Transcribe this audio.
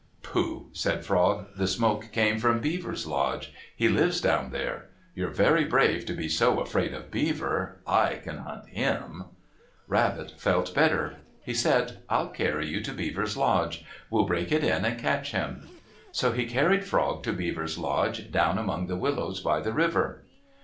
"Pooh!" said Frog. "The smoke came from Beaver's lodge. He lives down there. You're very brave to be so afraid of Beaver! I can hunt him." Rabbit felt better. He said, "I'll carry you to Beaver's lodge. We'll break it in and catch him." So he carried Frog to Beaver's lodge down among the willows by the river.